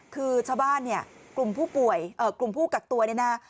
คือชาวบ้านกลุ่มผู้กักตัวเนี่ยนะ